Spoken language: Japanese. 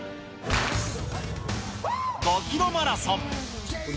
５キロマラソン。